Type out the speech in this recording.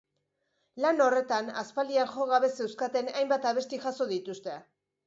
Lan horretan, aspaldian jo gabe zeuzkaten hainbat abesti jaso dituzte.